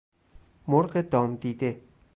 مرغ دام دیده